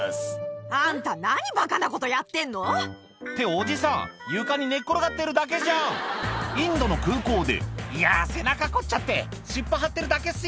「あんた何バカなことやってんの」っておじさん床に寝っ転がってるだけじゃん「いや背中凝っちゃって湿布貼ってるだけっすよ」